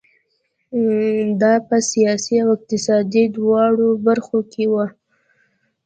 دا په سیاسي او اقتصادي دواړو برخو کې وو.